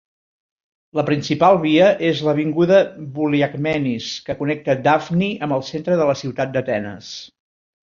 La principal via és l'Avinguda Vouliagmenis, que connecta Dafni amb el centre de la ciutat d'Atenes.